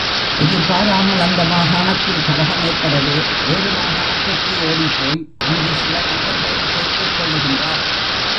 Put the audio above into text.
எதிர்பாராமல் அந்த மாகாணத்தில் கலகம் ஏற்படவே வேறு மாகாணத்துக்கு ஓடிப்போய் அங்கு சில நண்பர்களை சேர்த்துக் கொள்ளுகின்றார்.